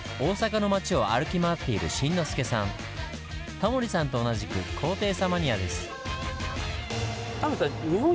タモリさんと同じく高低差マニアです。